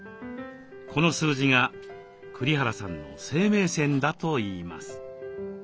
この数字が栗原さんの生命線だといいます。